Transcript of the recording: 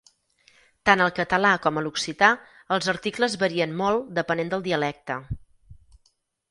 Tant al català com a l'occità, els articles varien molt depenent del dialecte.